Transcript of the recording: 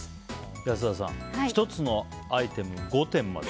安田さん１つのアイテム、５点まで。